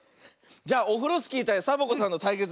じゃあオフロスキーたいサボ子さんのたいけつ。